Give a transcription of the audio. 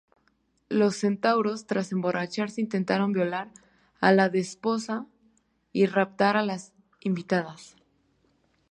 Los centauros tras emborracharse, intentaron violar a la desposada y raptar a las invitadas.